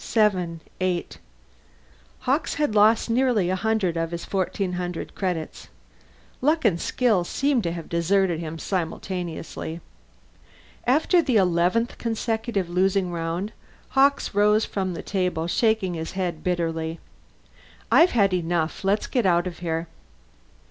Seven. Eight. Hawkes had lost nearly a hundred of his fourteen hundred credits. Luck and skill seemed to have deserted him simultaneously. After the eleventh consecutive losing round, Hawkes rose from the table, shaking his head bitterly. "I've had enough. Let's get out of here."